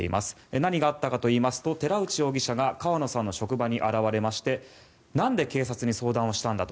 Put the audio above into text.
何があったかといいますと寺内容疑者が川野さんの職場に現れましてなんで警察に相談をしたんだと。